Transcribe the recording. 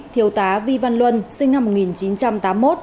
thiếu tá vi văn luân sinh năm một nghìn chín trăm tám mươi một